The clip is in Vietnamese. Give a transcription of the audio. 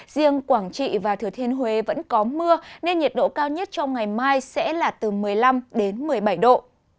riêng quảng trị và thừa thiên huế vẫn có mưa nên nhiệt độ cao nhất trong ngày mai sẽ là từ một mươi năm đến một mươi bảy độ